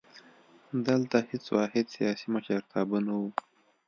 دلته هېڅ واحد سیاسي مشرتابه نه وو.